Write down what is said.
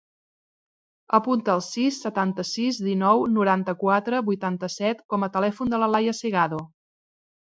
Apunta el sis, setanta-sis, dinou, noranta-quatre, vuitanta-set com a telèfon de la Laia Segado.